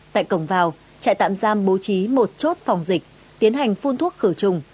tại cổng vào trại tạm giam bố trí một chốt phòng dịch tiến hành phun thuốc khử trùng